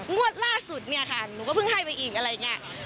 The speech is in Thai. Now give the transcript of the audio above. งวดล่าสุดเนี่ยค่ะหนูก็เพิ่งให้ไปอีกอะไรอย่างนี้